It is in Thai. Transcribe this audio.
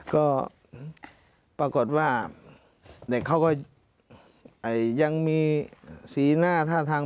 ก็ปรากฏว่าเด็กเขาก็ยังมีสีหน้าท่าทาง